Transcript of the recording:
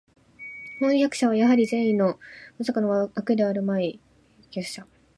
飜訳者はやはり善意の（まさか悪意のではあるまい）叛逆者